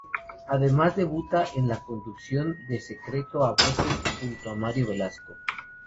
Además, debuta en la conducción de "Secreto a voces" junto a Mario Velasco.